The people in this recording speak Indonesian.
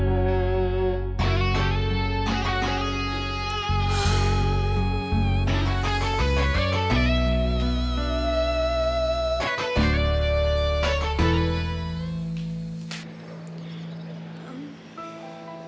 soalnya gw pujian pengen kirimanya juga alas fd